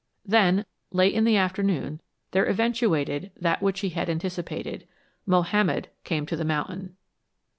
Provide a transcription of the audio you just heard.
Then, late in the afternoon, there eventuated that which he had anticipated. Mohammed came to the mountain.